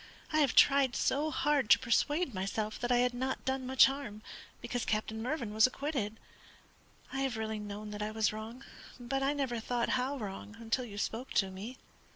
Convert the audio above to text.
I have tried so hard to persuade myself that I had not done much harm, because Captain Mervyn was acquitted. I have really known that I was wrong, but I never thought how wrong until you spoke to me."